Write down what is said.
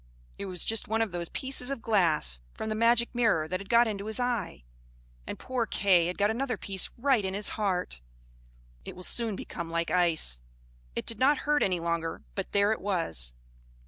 It was just one of those pieces of glass from the magic mirror that had got into his eye; and poor Kay had got another piece right in his heart. It will soon become like ice. It did not hurt any longer, but there it was.